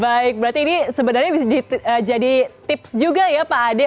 baik berarti ini sebenarnya bisa jadi tips juga ya pak ade